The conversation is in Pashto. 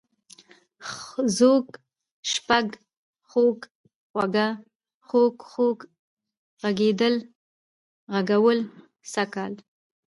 ځوږ، شپږ، خوَږ، خُوږه ، خوږ، خوږ ، غږېدل، غږول، سږ کال